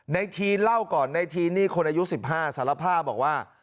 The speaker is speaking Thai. ทีนเล่าก่อนในทีนนี่คนอายุ๑๕สารภาพบอกว่า